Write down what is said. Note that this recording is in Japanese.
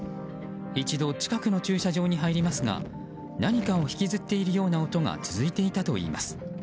一度、近くの駐車場に入りますが何かを引きずっているような音が続いていたといいます。